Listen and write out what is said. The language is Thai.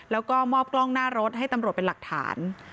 แล้วก็มอบกล้องหน้ารถให้ตำรวจเป็นหลักฐาน